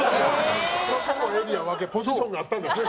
そこもエリア分けポジションがあったんですね